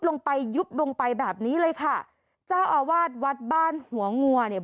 ลงไปยุบลงไปแบบนี้เลยค่ะเจ้าอาวาสวัดบ้านหัวงัวเนี่ย